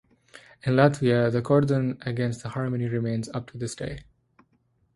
In Latvia the "cordon" against the Harmony remains up to this day.